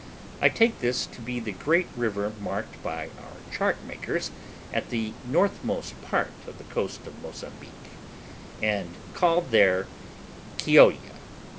I take this to be the great river marked by our chart makers at the northmost part of the coast of Mozambique, and called there Quilloa.